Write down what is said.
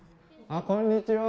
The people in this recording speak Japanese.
あっこんにちは。